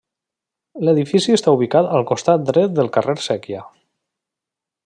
L'edifici està ubicat al costat dret del carrer Séquia.